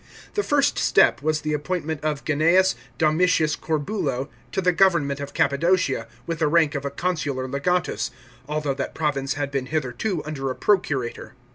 The first step was the appointment of Gnasus Doniitius Corbulo to the government 312 THE WARS FOR ARMENIA. CHAP. xvm. of Cappadocia, with the rank of a consular legatus, although that province had been hitherto under a procurator.